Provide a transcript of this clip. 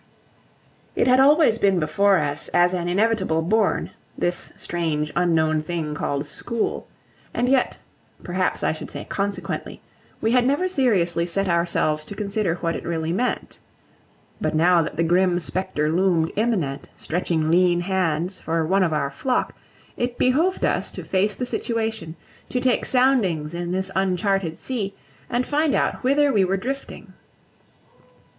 It had always been before us as an inevitable bourne, this strange unknown thing called school; and yet perhaps I should say consequently we had never seriously set ourselves to consider what it really meant. But now that the grim spectre loomed imminent, stretching lean hands for one of our flock, it behoved us to face the situation, to take soundings in this uncharted sea and find out whither we were drifting.